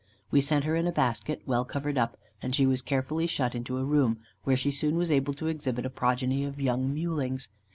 We sent her in a basket, well covered up, and she was carefully shut into a room, where she soon was able to exhibit a progeny of young mewlings.